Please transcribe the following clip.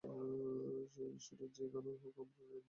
সেটা যেই গানই হোক, আমার বেনেটের গান পছন্দ।